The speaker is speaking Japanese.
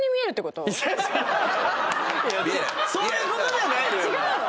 違うそういうことじゃないのよ違うの？